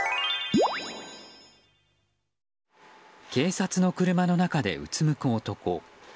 警察の車の中でうつむく男。